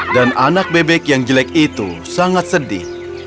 dan anak bebek yang jelek itu sangat sedih